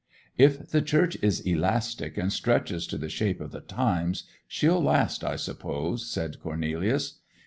'If the Church is elastic, and stretches to the shape of the time, she'll last, I suppose,' said Cornelius.